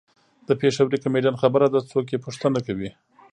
د پېښوري کمیډین خبره ده څوک یې پوښتنه کوي.